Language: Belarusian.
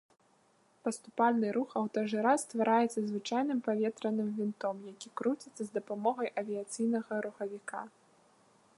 Паступальны рух аўтажыра ствараецца звычайным паветраным вінтом, які круціцца з дапамогай авіяцыйнага рухавіка.